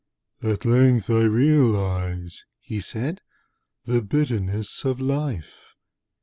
'At length I realise,' he said, The bitterness of Life!'